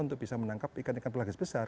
untuk bisa menangkap ikan ikan pelagis besar